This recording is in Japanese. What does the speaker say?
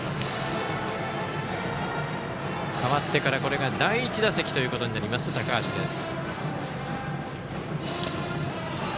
代わってから、これが第１打席ということになります高橋です。